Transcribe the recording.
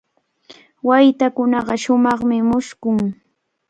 Waytakunaqa shumaqmi mushkun.